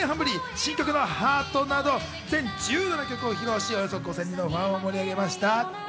新曲の『ハート』など全１７曲を披露し、およそ５０００人のファンを盛り上げました。